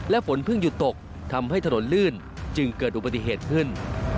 ฝนเพิ่งหยุดตกทำให้ถนนลื่นจึงเกิดอุบัติเหตุขึ้น